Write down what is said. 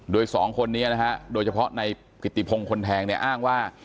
โดยสองคนนี้นะฮะโดยเฉพาะในกิติพงศ์คนแทงเนี่ยอ้างว่า